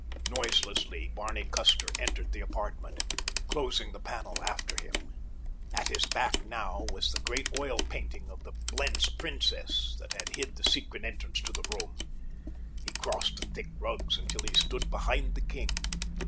Noiselessly Barney Custer entered the apartment, closing the panel after him. At his back now was the great oil painting of the Blentz princess that had hid the secret entrance to the room. He crossed the thick rugs until he stood behind the king.